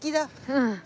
うん。